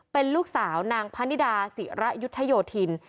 เป็นลูกสาวนางพนิดาศิระยุทธโยธิน